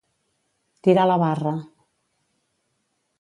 Tirar la barra.